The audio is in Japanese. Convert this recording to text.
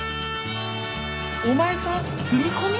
お前さん住み込み？